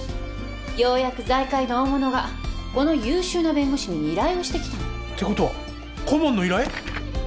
ようやく財界の大物がこの優秀な弁護士に依頼をしてきたの。ってことは顧問の依頼！？